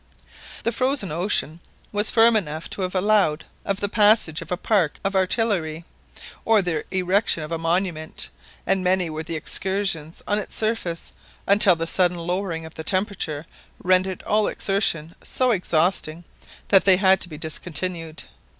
The frozen ocean was firm enough to have allowed of the passage of a park of artillery, or the erection of a monument, and many were the excursions on its surface until the sudden lowering of the temperature rendered all exertion so exhausting that they had to be discontinued.